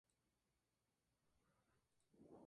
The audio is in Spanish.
Los estambres se encuentran en el tubo de la corola.